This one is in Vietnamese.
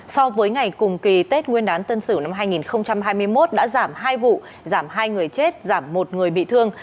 so với ngày cùng kỳ tết nguyên đán tân sửu năm hai nghìn hai mươi một đã giảm hai vụ giảm hai người chết giảm một người bị thương